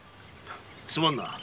すまんな。